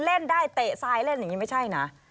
เล่นได้เตะซ้ายเล่นอย่างนี้ไม่ใช่นะ